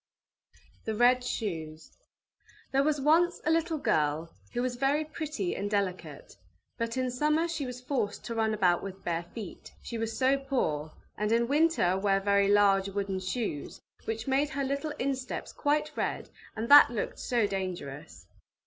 THE RED SHOES There was once a little girl who was very pretty and delicate, but in summer she was forced to run about with bare feet, she was so poor, and in winter wear very large wooden shoes, which made her little insteps quite red, and that looked so dangerous!